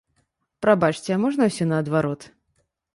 Прабачце, а можа, усё наадварот?